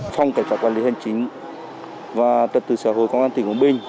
phòng cảnh sát quản lý hành chính và trật tự xã hội công an tỉnh quảng bình